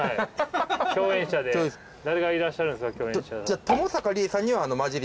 共演者で誰がいらっしゃるんですか？